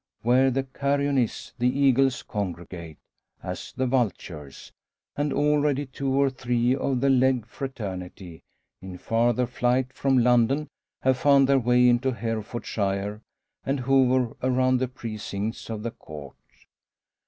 Where the carrion is the eagles congregate, as the vultures; and already two or three of the "leg" fraternity in farther flight from London have found their way into Herefordshire, and hover around the precincts of the Court.